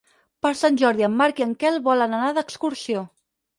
Per Sant Jordi en Marc i en Quel volen anar d'excursió.